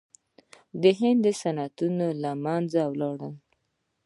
هندي صنعتونه له منځه لاړل.